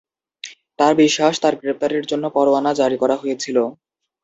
তাঁর বিশ্বাস, তাঁর গ্রেপ্তারের জন্য পরোয়ানা জারি করা হয়েছিল।